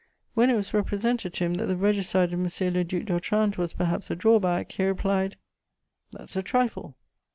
When it was represented to him that the regicide of M. le Duc d'Otrante was perhaps a drawback, he replied: "That's a trifle!"